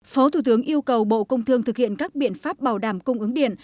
phó thủ tướng yêu cầu bộ công thương thực hiện các biện pháp bảo đảm cung ứng điện